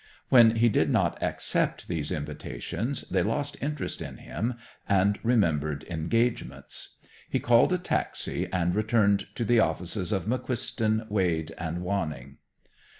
When he did not accept these invitations, they lost interest in him and remembered engagements. He called a taxi and returned to the offices of McQuiston, Wade, and Wanning.